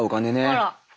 あら。